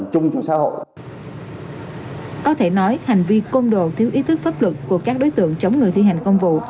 có thể nói hành vi côn đồ thiếu ý thức pháp luật của các đối tượng chống người thi hành công vụ